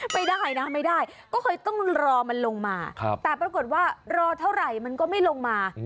ไม่ได้นะไม่ได้ก็เลยต้องรอมันลงมาแต่ปรากฏว่ารอเท่าไหร่มันก็ไม่ลงมา